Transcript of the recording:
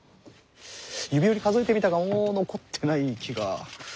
指折り数えてみたがもう残ってない気が。